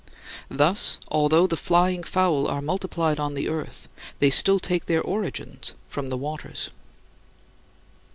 Thus, although the flying fowl are multiplied on the earth, they still take their origins from the waters.